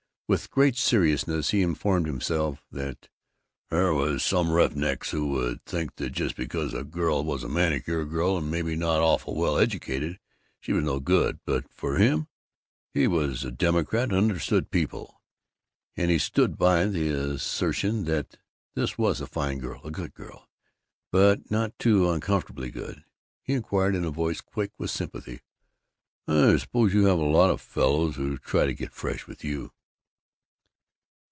With great seriousness he informed himself that "there were some roughnecks who would think that just because a girl was a manicure girl and maybe not awful well educated, she was no good, but as for him, he was a democrat, and understood people," and he stood by the assertion that this was a fine girl, a good girl but not too uncomfortably good. He inquired in a voice quick with sympathy: "I suppose you have a lot of fellows who try to get fresh with you."